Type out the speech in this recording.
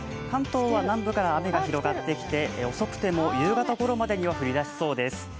関東は南部から雨が広がってきて遅くても夕方ごろまでには降りだしそうです。